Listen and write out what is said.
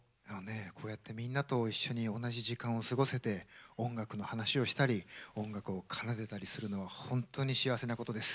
こうやってみんなと一緒に同じ時間を過ごせて音楽の話をしたり音楽を奏でたりするのは本当に幸せなことです。